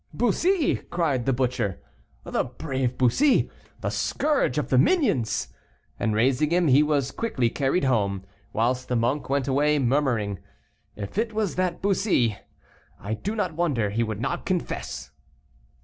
"Bussy," cried the butcher, "the brave Bussy, the scourge of the minions!" And raising him, he was quickly carried home, whilst the monk went away, murmuring, "If it was that Bussy, I do not wonder he would not confess!"